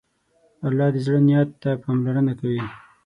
الله د زړه نیت ته پاملرنه کوي.